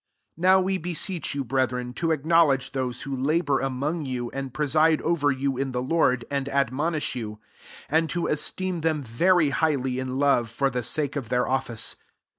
12 NOW we beseech you, brethren, to acknowledge those who labour among you, and preside over you in the Lord, and admonish you ; 13 and to esteem them very highly in love for the sake of their office.